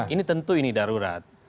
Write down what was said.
ini tentu ini darurat